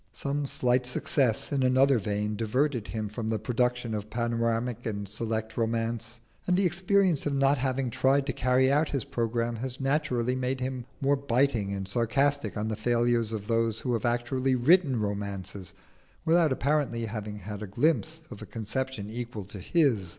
Some slight success in another vein diverted him from the production of panoramic and select romance, and the experience of not having tried to carry out his programme has naturally made him more biting and sarcastic on the failures of those who have actually written romances without apparently having had a glimpse of a conception equal to his.